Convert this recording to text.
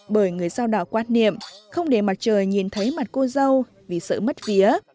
bởi người sao đạo quan niệm không để mặt trời nhìn thấy mặt cô dâu vì sợ mất vía